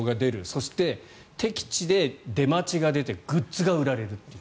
そして、敵地で出待ちが出てグッズが売られるという。